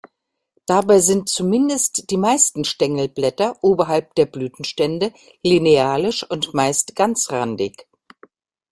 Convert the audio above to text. Dabei sind zumindest die meisten Stängelblätter oberhalb der Blütenstände linealisch und meist ganzrandig.